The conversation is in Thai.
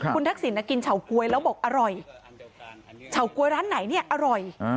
คุณทักษิณกินเฉาก๊วยแล้วบอกอร่อยเฉาก๊วยร้านไหนเนี่ยอร่อย